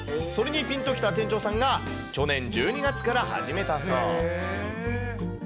それにぴんときた店長さんが、去年１２月から始めたそう。